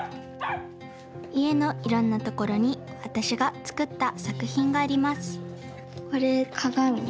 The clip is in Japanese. いえのいろんなところにわたしがつくったさくひんがあります